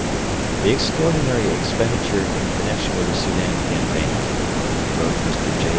'The extraordinary expenditure in connection with the Soudan campaign,' wrote Mr. J.